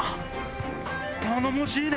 頼もしいね！